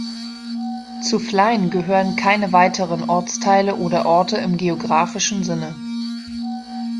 Zu Flein gehören keine weiteren Ortsteile oder Orte im geographischen Sinne.